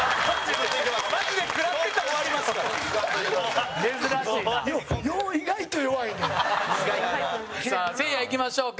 陣内：さあ、せいやいきましょうか。